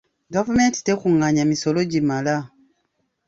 Gavumenti tekungaanya misolo gimala.